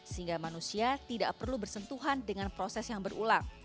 sehingga manusia tidak perlu bersentuhan dengan proses yang berulang